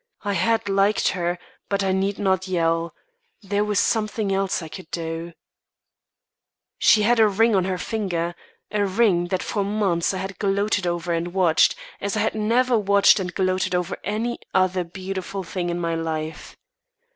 I had liked her, but I need not yell. There was something else I could do. She had a ring on her finger a ring that for months I had gloated over and watched, as I had never watched and gloated over any other beautiful thing in my life.